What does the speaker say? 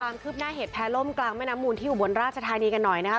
ความคืบหน้าเหตุแพ้ล่มกลางแม่น้ำมูลที่อุบลราชธานีกันหน่อยนะคะ